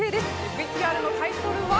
ＶＴＲのタイトルは。